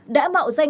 đã mạo danh dịch bệnh